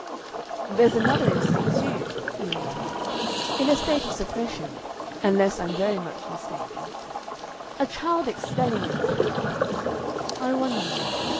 "There's another instinct, too," he went on, "in a state of suppression, unless I'm very much mistaken; a child expelling instinct.... I wonder....